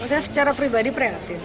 kalau saya secara pribadi preatin